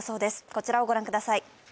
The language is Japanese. こちらをご覧ください